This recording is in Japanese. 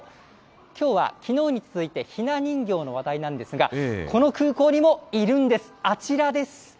きょうはきのうに続いてひな人形の話題なんですが、この空港にもいるんです、あちらです。